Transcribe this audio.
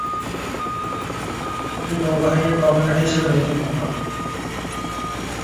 তিনি নৌবাহিনীর কমান্ডার হিসাবে নিযুক্ত হন।